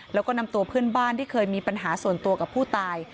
แล้วก็นำตัวเพื่อนบ้านที่เคยมีปัญหาส่วนตัวกับผู้ตาย